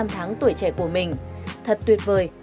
tháng tuổi trẻ của mình thật tuyệt vời